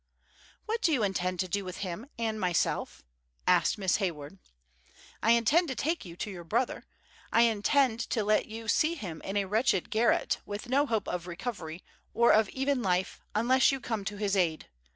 "What do you intend to do with him and myself?" asked Miss Hayward. "I intend to take you to your brother. I intend to let you see him in a wretched garret, with no hope of recovery, or of even life, unless you come to his aid.